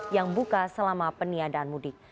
yang buka selama peniadaan mudik